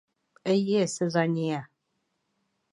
Эйе, Цезония.